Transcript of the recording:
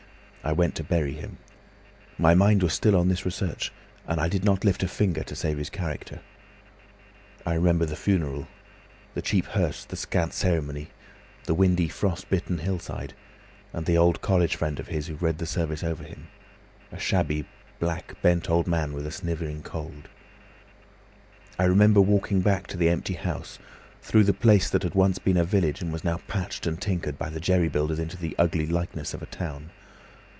I went to bury him. My mind was still on this research, and I did not lift a finger to save his character. I remember the funeral, the cheap hearse, the scant ceremony, the windy frost bitten hillside, and the old college friend of his who read the service over him—a shabby, black, bent old man with a snivelling cold. "I remember walking back to the empty house, through the place that had once been a village and was now patched and tinkered by the jerry builders into the ugly likeness of a town.